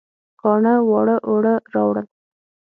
کاڼه واړه اوړه راوړل